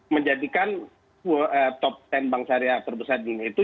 menjadikan top sepuluh bank syariah terbesar di dunia itu